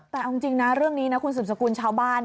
แต่เอาจริงนะเรื่องนี้นะคุณสืบสกุลชาวบ้าน